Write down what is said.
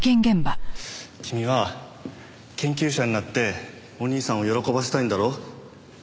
君は研究者になってお兄さんを喜ばせたいんだろ？